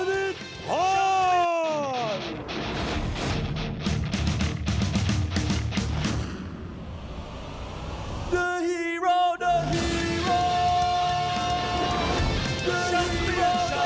มีความรู้สึกว่า